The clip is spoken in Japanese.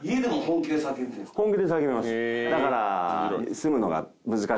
だから。